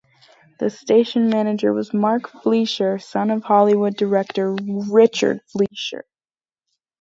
The station manager was Mark Fleischer, son of Hollywood director Richard Fleischer.